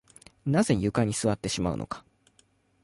なぜ床に座ってしまうのか